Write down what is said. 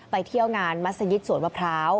เที่ยวงานมัศยิตสวนมะพร้าว